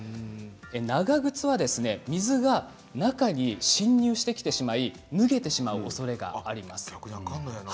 長靴は水が中に侵入してきてしまい脱げてしまうおそれがあります。